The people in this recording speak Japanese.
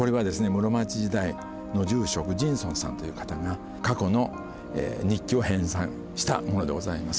室町時代の住職尋尊さんという方が過去の日記を編さんしたものでございます。